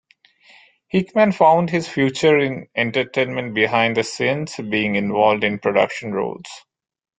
Hickman found his future in entertainment behind the scenes, being involved in production roles.